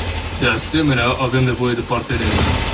De asemenea, avem nevoie de parteneri.